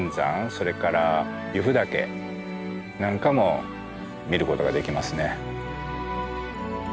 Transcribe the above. それから由布岳なんかも見ることができますね。